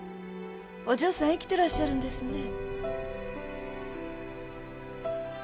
お嬢さん生きてらっしゃるんですね。